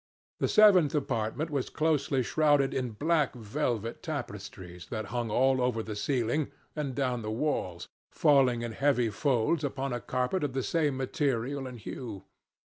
The seventh apartment was closely shrouded in black velvet tapestries that hung all over the ceiling and down the walls, falling in heavy folds upon a carpet of the same material and hue.